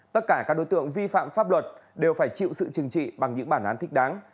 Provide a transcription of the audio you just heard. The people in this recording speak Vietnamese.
tất cả các đối tượng vi phạm pháp luật đều phải chịu sự chừng trị bằng những bản án thích đáng